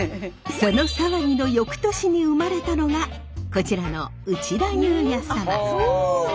その騒ぎの翌年に生まれたのがこちらの内田裕也サマ。